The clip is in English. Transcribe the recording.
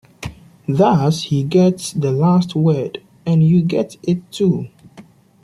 Thus he gets the last word; and you get it too.